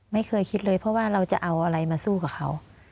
ไม่เคยคิดเลยเพราะว่าเราจะเอาอะไรมาสู้กับเขา